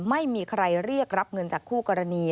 ไม่มีใครเรียกรับเงินจากคู่กรณี